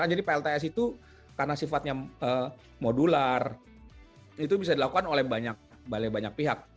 jadi plts itu karena sifatnya modular itu bisa dilakukan oleh banyak pihak